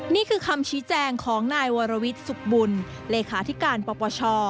นี่คือคำชี้แจงของนายวรวิทย์สุขบุญเลขาธิการปปช